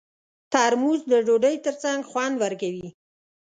ترموز د ډوډۍ ترڅنګ خوند ورکوي.